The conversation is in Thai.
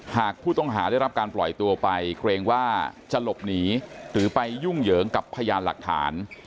หากผู้ต้องหาได้รับการปล่อยตัวไปเกรงว่าจะหลบหนีหรือไปยุ่งเหยิงกับพยานหลักฐาน